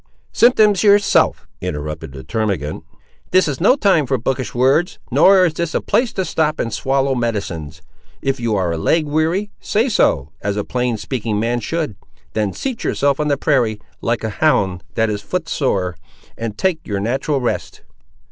"Symptoms, yourself!" interrupted the termagant. "This is no time for bookish words, nor is this a place to stop and swallow medicines. If you are a leg weary, say so, as a plain speaking man should; then seat yourself on the prairie, like a hound that is foot sore, and take your natural rest."